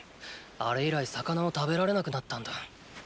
あれ以来魚を食べられなくなったんだ。